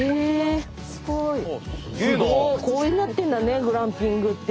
こういうふうになってるんだねグランピングって。